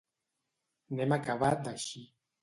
N'hem acabat d'eixir.